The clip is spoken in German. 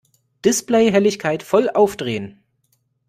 Displayhelligkeit voll aufdrehen!